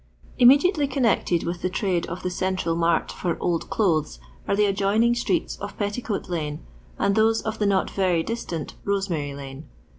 Immediately connected with the trade of the central mart for old clothes are the adjoining streets of Petticoat lane, and those of the not very die* tint Rosemary lane.